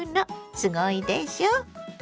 すごいでしょ。